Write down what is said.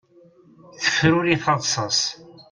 Tefruri taḍsa-s.